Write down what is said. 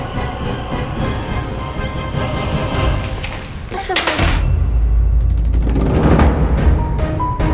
tunggal biasa ya dede